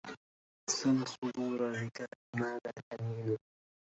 سل صدور الركاب ماذا الحنين